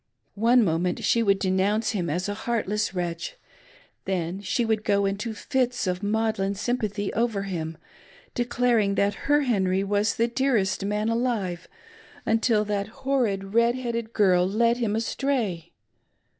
One moment she would denounce him as a heartless wretch : then she would go into fits of maudlin sym pathy over him, declaring that her Henry was the dearest man alive until "that horrid red headed girl" led him astray.